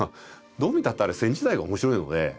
どう見たってあれ線自体が面白いので。